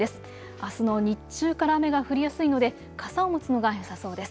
あすの日中から雨が降りやすいので傘を持つのがよさそうです。